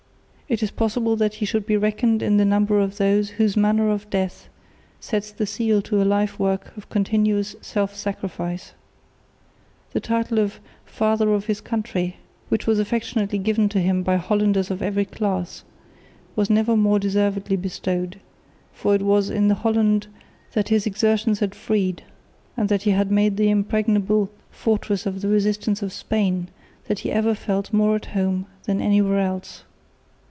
It is possible that he should be reckoned in the number of those whose manner of death sets the seal to a life work of continuous self sacrifice. The title of "Father of his Country," which was affectionately given to him by Hollanders of every class, was never more deservedly bestowed, for it was in the Holland that his exertions had freed and that he had made the impregnable fortress of the resistance to Spain that he ever felt more at home than anywhere else.